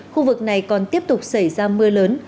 khu vực này còn tiếp tục xảy ra mưa lớn